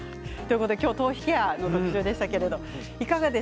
今日は頭皮ケアの特集です。